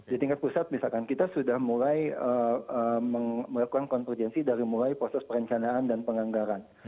di tingkat pusat misalkan kita sudah mulai melakukan konvergensi dari mulai proses perencanaan dan penganggaran